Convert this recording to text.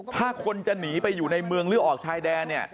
ถ้าคนจะหนีไปอยู่ในเมืองเลื่อกออกทายแดน